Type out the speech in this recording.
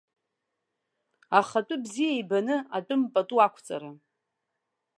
Ахатәы бзиа ибаны, атәым пату ақәҵара.